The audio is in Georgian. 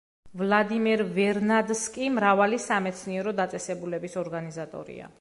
ვლადიმერ ვერნადსკი მრავალი სამეცნიერო დაწესებულების ორგანიზატორია.